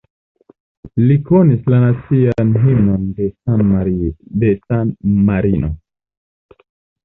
Li komponis la nacian himnon de San Marino.